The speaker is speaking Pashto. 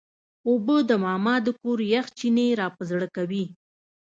اوبه د ماما د کور یخ چینې راپه زړه کوي.